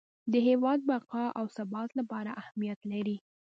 د هیواد بقا او ثبات لپاره اهمیت لري.